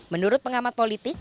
menurut pengamat politik